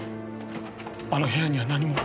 あの部屋には何も。